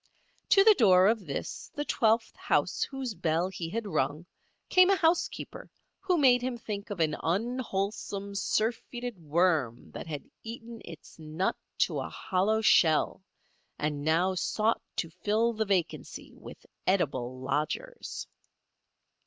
To the door of this, the twelfth house whose bell he had rung, came a housekeeper who made him think of an unwholesome, surfeited worm that had eaten its nut to a hollow shell and now sought to fill the vacancy with edible lodgers.